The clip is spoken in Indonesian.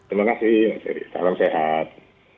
terima kasih mas ferry salam sehat